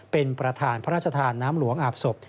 เป็นประธานพระราชทานน้ำหลวงอาบศพ